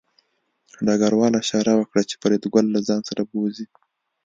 ډګروال اشاره وکړه چې فریدګل له ځان سره بوځي